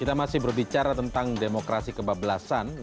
kita masih berbicara tentang demokrasi kebablasan